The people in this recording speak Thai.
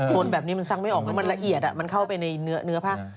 คนแบบนี้มันซักไม่ออกแล้วมันละเอียดมันเข้าไปในเนื้อผ้า